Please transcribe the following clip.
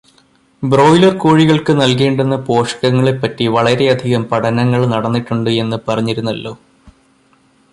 Broiler കോഴികള്ക്ക് നല്കേണ്ടുന്ന പോഷകങ്ങളെ പറ്റി വളരെയധികം പഠനങ്ങൾ നടന്നിട്ടുണ്ട് എന്ന് പറഞ്ഞിരുന്നല്ലോ.